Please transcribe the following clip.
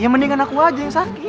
yang mendingan aku aja yang sakit